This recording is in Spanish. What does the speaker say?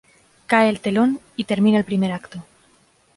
Cae el telón y termina el primer acto.